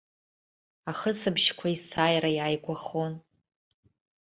Ахысыбжьқәа есааира иааигәахон.